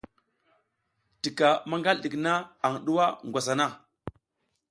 Tika maƞgal ɗik na aƞ ɗuwa ngwas hana.